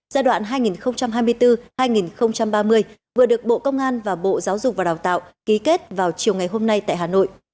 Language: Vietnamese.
giai đoạn hai nghìn hai mươi bốn hai nghìn ba mươi vừa được bộ công an và bộ giáo dục và đào tạo ký kết vào chiều ngày hôm nay tại hà nội